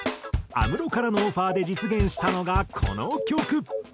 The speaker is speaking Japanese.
安室からのオファーで実現したのがこの曲。